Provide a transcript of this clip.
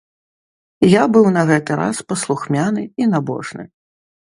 Я быў на гэты раз паслухмяны і набожны.